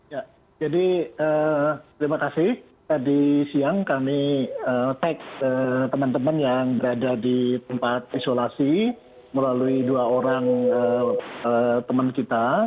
ya jadi terima kasih tadi siang kami tek teman teman yang berada di tempat isolasi melalui dua orang teman kita